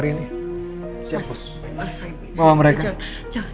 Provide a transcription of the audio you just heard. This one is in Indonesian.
kalian berdua langsung kurung mereka di kamar